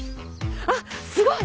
あすごい！